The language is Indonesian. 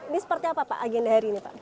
ini seperti apa pak agenda hari ini pak